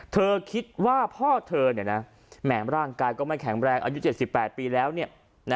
เธอคิดว่าพ่อเธอเนี่ยนะแหม่งร่างกายก็ไม่แข็งแรงอายุ๗๘ปีแล้วเนี่ย